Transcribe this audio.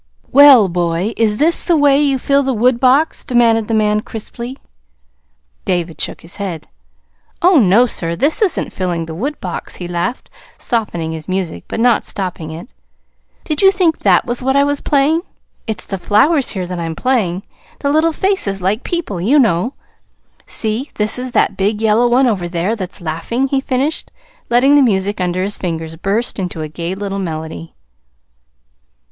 "Well, boy, is this the way you fill the woodbox?" demanded the man crisply. David shook his head. "Oh, no, sir, this isn't filling the woodbox," he laughed, softening his music, but not stopping it. "Did you think that was what I was playing? It's the flowers here that I'm playing the little faces, like people, you know. See, this is that big yellow one over there that's laughing," he finished, letting the music under his fingers burst into a gay little melody.